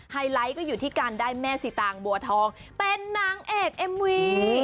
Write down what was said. ไลท์ก็อยู่ที่การได้แม่สีตางบัวทองเป็นนางเอกเอ็มวี